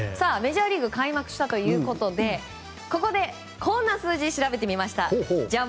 メジャーリーグ開幕したということでここで、こんな数字を調べてみました。